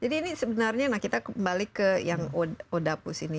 jadi ini sebenarnya kita kembali ke yang odapus ini